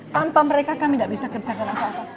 tanpa mereka kami tidak bisa kerja dengan apa apa